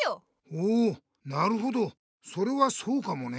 ほうなるほどそれはそうかもね。